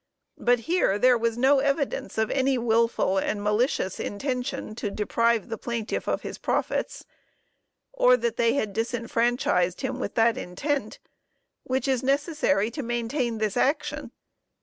But here there was no evidence of any wilful and malicious intention to deprive the plaintiff of his profits, or that they had disfranchised him with that intent, which is necessary to maintain this action.